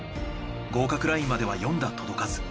合格ラインまでは４打届かず。